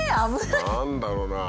何だろうな？